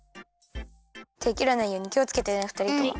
てきらないようにきをつけてねふたりとも。